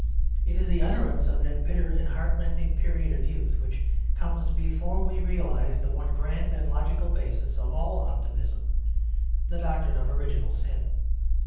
It is the utterance of that bitter and heartrending period of youth which comes before we realise the one grand and logical basis of all optimism the doctrine of original sin.